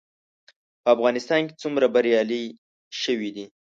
په افغانستان کې څومره بریالي شوي دي؟